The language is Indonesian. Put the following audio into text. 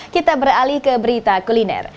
kita beralih ke berita kuliner